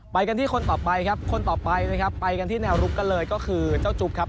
ไปกันที่คนต่อไปครับคนต่อไปนะครับไปกันที่แนวลุกกันเลยก็คือเจ้าจุ๊บครับ